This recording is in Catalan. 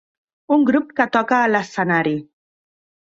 Un grup que toca a l'escenari